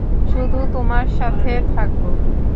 শুধু তোমার সাথে থাকব।